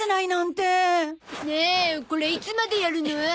ねえこれいつまでやるの？